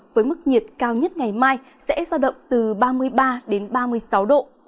với mức nhiệt cao nhất ngày mai sẽ sao động từ ba mươi ba ba mươi sáu độ